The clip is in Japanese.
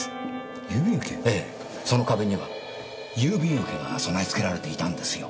その壁には郵便受けが備え付けられていたんですよ。